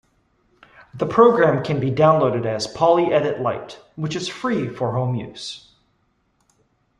The program can be downloaded as PolyEdit Lite, which is free for home use.